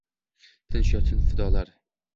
tinch yotsin fidolar.